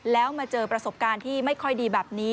แล้วมาเจอประสบการณ์ที่ไม่ค่อยดีแบบนี้